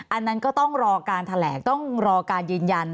อันนั้นก็ต้องรอการแถลงต้องรอการยืนยัน